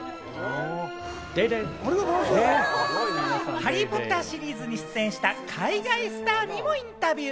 『ハリー・ポッター』シリーズに出演した、海外スターにもインタビュー。